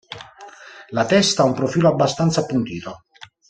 La testa ha un profilo abbastanza appuntito.